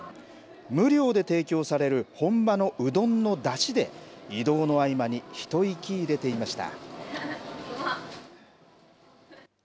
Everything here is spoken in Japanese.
無料で提供される本場のうどんのだしで、移動の合間に一息入れていました。